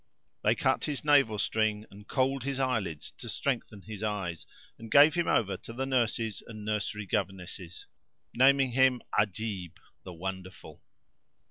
They cut his navel string [FN#445] and Kohl'd his eyelids to strengthen his eyes, and gave him over to the nurses and nursery governesses, [FN#446] naming him Ajib, the Wonderful.